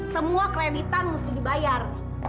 semua kreditan mesti dibayar